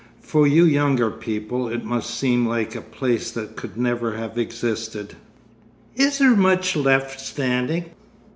For you younger people it must seem like a place that could never have existed.' 'Is there much left standing?